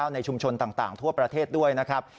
ในชุมชนต่างทั่วประเทศด้วยนะครับ